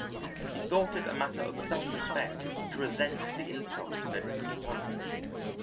He thought it a matter of self respect to resent the insult they had put upon him.